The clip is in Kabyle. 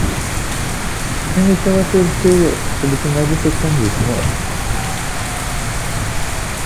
imi tawacult-iw s lekmal-is attan di tmurt?